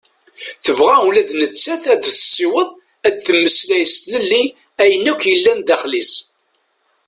Tebɣa ula d nettat ad tessiweḍ ad temmeslay s tlelli ayen akk yellan daxel-is.